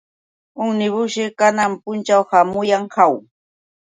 Umnibusćhi kanan punćhaw hamuyan, ¿aw?